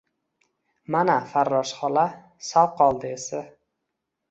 Mana, farrosh xola, sal qoldi esi –